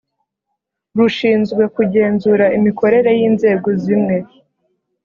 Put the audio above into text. rushinzwe kugenzura imikorere y inzego zimwe